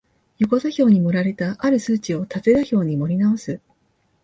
横座標に盛られた或る数値を縦座標に盛り直す